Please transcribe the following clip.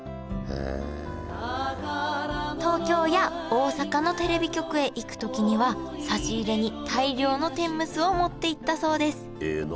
東京や大阪のテレビ局へ行くときには差し入れに大量の天むすを持っていったそうです。